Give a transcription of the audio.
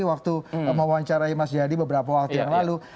waktu mewawancarai mas jayadi beberapa waktu yang lalu